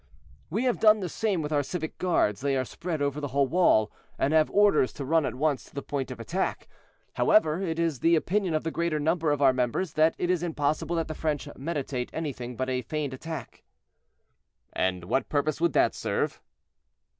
"We have done the same with our civic guards; they are spread over the whole wall, and have orders to run at once to the point of attack. However, it is the opinion of the greater number of our members that it is impossible that the French meditate anything but a feigned attack." "And what purpose would that serve?"